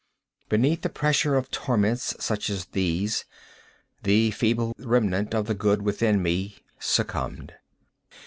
_ Beneath the pressure of torments such as these, the feeble remnant of the good within me succumbed.